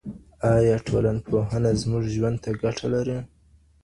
ايا ټولنپوهنه زموږ ژوند ته ګټه لري؟